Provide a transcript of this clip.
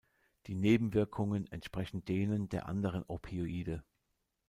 Die Nebenwirkungen entsprechen denen der anderen Opioide.